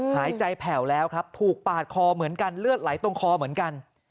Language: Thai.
หายใจแผ่วแล้วครับถูกปาดคอเหมือนกันเลือดไหลตรงคอเหมือนกัน